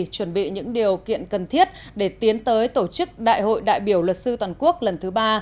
chuẩn bị những điều kiện cần thiết để tiến tới tổ chức đại hội đại biểu luật sư toàn quốc lần thứ ba